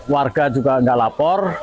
warga juga nggak lapor